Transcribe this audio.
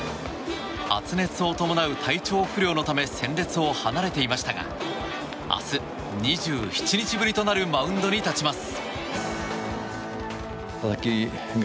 発熱を伴う体調不良のため戦列を離れていましたが明日、２７日ぶりとなるマウンドに立ちます。